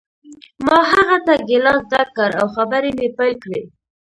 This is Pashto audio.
ما هغه ته ګیلاس ډک کړ او خبرې مې پیل کړې